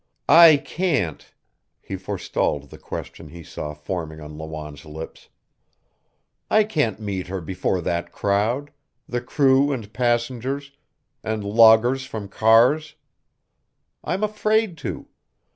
"I can't," he forestalled the question he saw forming on Lawanne's lips. "I can't meet her before that crowd the crew and passengers, and loggers from Carr's. I'm afraid to.